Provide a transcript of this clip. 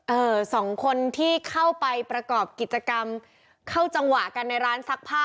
สองคนที่เข้าไปประกอบกิจกรรมเข้าจังหวะกันในร้านซักผ้า